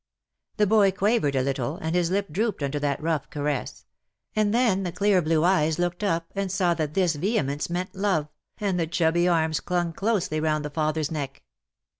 The boy quavered a little, and his lip drooped under that rough caress — and then the clear blue eyes looked up and saw that this vehe mence meant love, and the chubby arms clung closely round the father's neck.